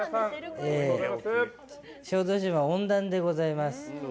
小豆島、温暖でございます。